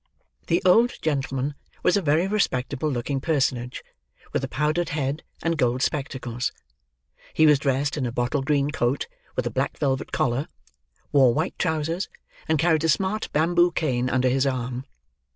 The old gentleman was a very respectable looking personage, with a powdered head and gold spectacles. He was dressed in a bottle green coat with a black velvet collar; wore white trousers; and carried a smart bamboo cane under his arm.